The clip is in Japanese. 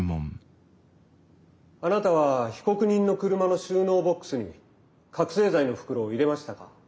あなたは被告人の車の収納ボックスに覚醒剤の袋を入れましたか？